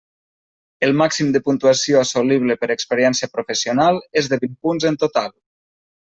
El màxim de puntuació assolible per experiència professional és de vint punts en total.